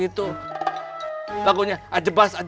itu ada damai